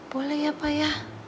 boleh ya pa ya